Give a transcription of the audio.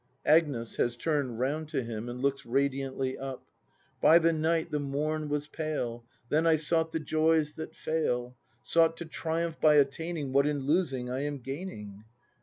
Agnes. [Has turned round to him, and looks radiantly up.] By the Night the Morn was pale. Then I sought the joys that fail; Sought to triumph by attaining What in losing I am gaining.